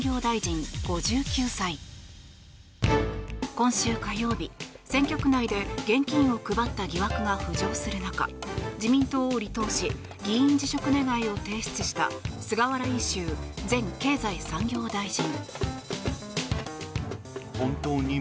今週火曜日、選挙区内で現金を配った疑惑が浮上する中自民党を離党し議員辞職願を提出した菅原一秀前経済産業大臣。